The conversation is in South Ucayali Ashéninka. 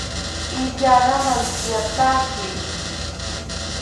Iriani mantziataki